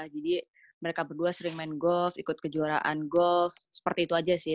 jadi mereka berdua sering main golf ikut kejuaraan golf seperti itu aja sih